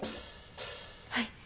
はい。